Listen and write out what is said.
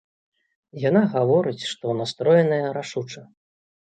Яна гаворыць, што настроеная рашуча.